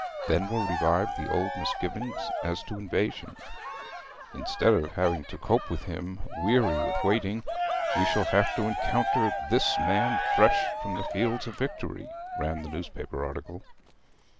Then were revived the old misgivings as to invasion. 'Instead of having to cope with him weary with waiting, we shall have to encounter This Man fresh from the fields of victory,' ran the newspaper article.